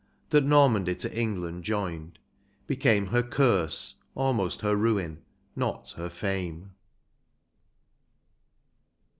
That Normandy to England joined, became Her curse, almost her ruin, not her fame.